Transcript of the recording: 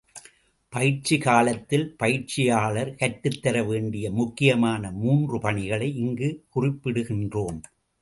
பயிற்சி காலத்தில் பயிற்சியாளர் கற்றுத்தர வேண்டிய முக்கியமான மூன்று பணிகளை இங்கு குறிப்பிடுகின்றோம்.